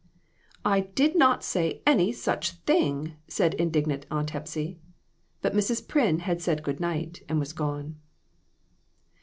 " I did not say any such thing !" said indig nant Aunt Hepsy. But Mrs. Pryn had said good night and was gone.